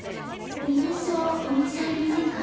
身分証をお持ちじゃありませんか？